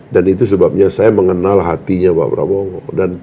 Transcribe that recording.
dan itu sebabnya saya mengenal hatinya pak prabowo